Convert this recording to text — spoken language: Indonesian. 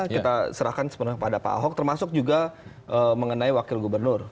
kita serahkan sepenuhnya kepada pak ahok termasuk juga mengenai wakil gubernur